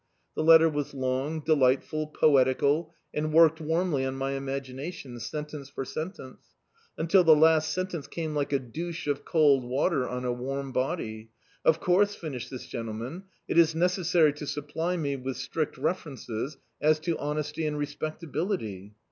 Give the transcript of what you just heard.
The letter was long, delightful, poetical, and worked warmly on my ima§^tion, sentence for sentence: until the last sentence came like a douche of cold water on a warm body — "Of course," finished this gentleman, "it is necessary to supply me with strict references as to honesty and respecta bility."